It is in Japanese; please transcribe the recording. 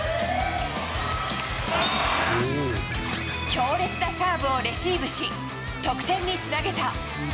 強烈なサーブをレシーブし、得点につなげた。